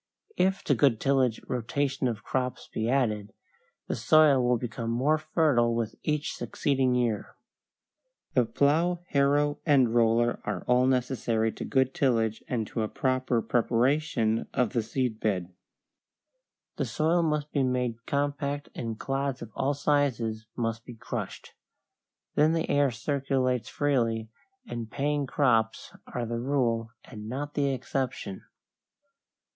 If to good tillage rotation of crops be added, the soil will become more fertile with each succeeding year. [Illustration: FIG. 4. MIXED GRASSES GROWN FOR FORAGE] The plow, harrow, and roller are all necessary to good tillage and to a proper preparation of the seed bed. The soil must be made compact and clods of all sizes must be crushed. Then the air circulates freely, and paying crops are the rule and not the exception.